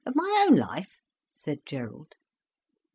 "Of my own life?" said Gerald.